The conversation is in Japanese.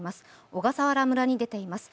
小笠原村に出ています。